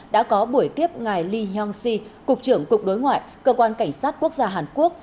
đã có buổi tiếp ngài lee yong si cục trưởng cục đối ngoại cơ quan cảnh sát quốc gia hàn quốc